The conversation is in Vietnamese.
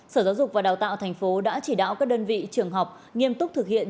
sở giáo dục và đào tạo thành phố đã chỉ đạo các đơn vị trường học nghiêm túc thực hiện